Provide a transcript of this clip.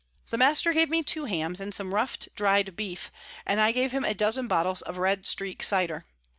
The Master gave me two Hams, and some rufft dry'd Beef, and I gave him a dozen Bottles of Red Streak Cyder.